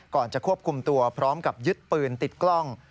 จะควบคุมตัวพร้อมกับยึดปืนติดกล้อง